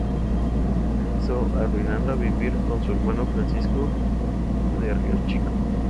Regresó, arruinado, a vivir con su hermano Francisco, párroco de Río Chico.